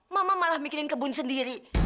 mama malah bikinin kebun sendiri